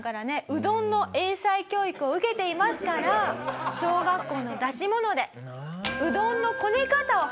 うどんの英才教育を受けていますから小学校の出し物でうどんのコネ方を発表したり。